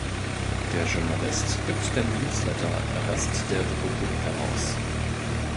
Der Journalist gibt den Newsletter „Rest der Republik“ heraus.